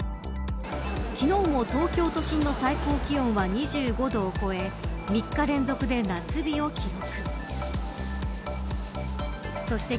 昨日も東京都心の最高気温は２５度を超え３日連続で夏日を記録。